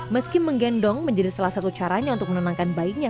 meski menggendong menjadi salah satu caranya untuk menenangkan bayinya